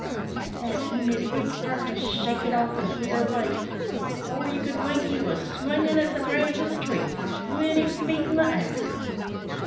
At that he made a great start to shake it off, and clear away; but before you could wink, he was swingin' at the branch o' the tree, twinty feet in the air.